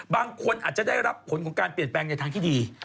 บางคนอาจจะได้รับผลของการเปลี่ยนแปลงในทางที่ดี